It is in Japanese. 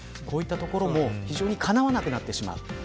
こういったところもかなわなくなってしまう。